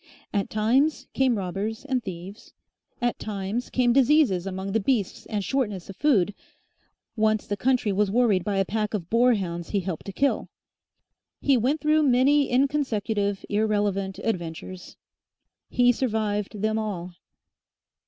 At times came robbers and thieves, at times came diseases among the beasts and shortness of food, once the country was worried by a pack of boar hounds he helped to kill; he went through many inconsecutive, irrelevant adventures. He survived them all.